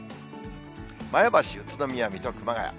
前橋、宇都宮、水戸、熊谷。